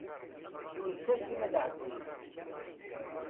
Yunef-asen ad ɛeddin.